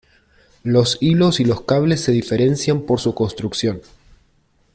Los hilos y los cables se diferencian por su construcción.